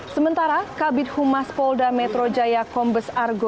sementara kabit humas polda metro jaya kombes argo